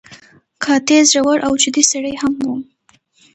قاطع، زړور او جدي سړی هم و.